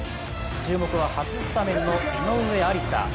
注目は、初スタメンの井上愛里沙。